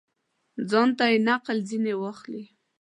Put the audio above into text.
ځانته یې نقل ځني واخلي.